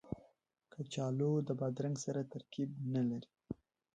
کچالو د بادرنګ سره ترکیب نه لري